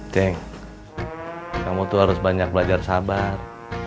ceng kamu tuh harus banyak belajar sabar